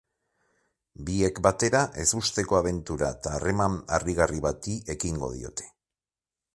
Biek batera, ezusteko abentura eta harreman harrigarri bati ekingo diote.